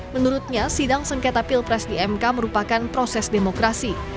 menurutnya sidang sengketa pilpres di mk merupakan proses demokrasi